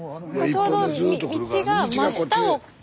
ちょうど道が真下を。